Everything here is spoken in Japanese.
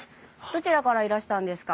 どちらからいらしたんですか？